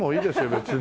別に。